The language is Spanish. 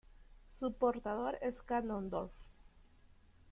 Su portador es Ganondorf.